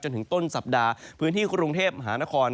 ถึงต้นสัปดาห์พื้นที่กรุงเทพมหานคร